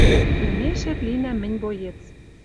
Лӹмешет линӓм мӹнь боец...